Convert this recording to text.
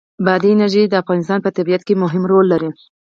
بادي انرژي د افغانستان په طبیعت کې مهم رول لري.